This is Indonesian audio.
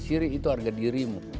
syirik itu harga dirimu